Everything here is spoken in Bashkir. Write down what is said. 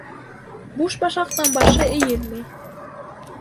Буш башаҡтың башы эйелмәй.